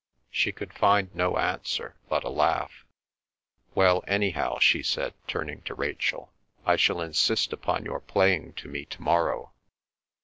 She could find no answer, but a laugh. "Well, anyhow," she said, turning to Rachel, "I shall insist upon your playing to me to morrow."